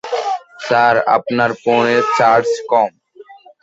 Sir, আমার ফোনে charge কম।